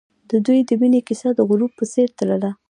د دوی د مینې کیسه د غروب په څېر تلله.